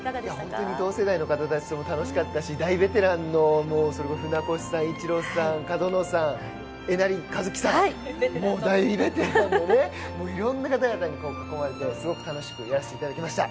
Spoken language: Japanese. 本当に同世代の方たちとも楽しかったですし、大ベテランの角野さんやえなりかずきさん、大ベテランのいろんな方々に囲まれて、すごく楽しくやらせていただきました。